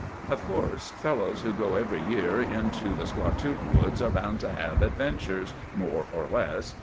Of course fellows who every year go into the Squatook woods are bound to have adventures, more or less.